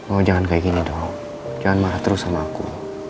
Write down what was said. oh jangan kayak gini dong jangan marah terus sama aku